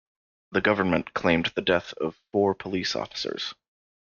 The government claimed the death of four police officers.